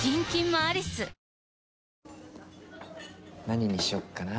何にしよっかな。